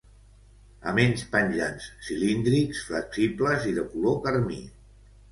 Aments penjants, cilíndrics, flexibles i de color carmí.